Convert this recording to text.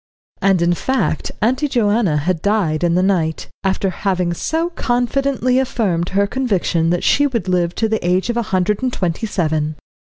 And in fact Auntie Joanna had died in the night, after having so confidently affirmed her conviction that she would live to the age of a hundred and twenty seven.